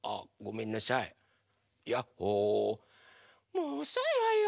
もうおそいわよ！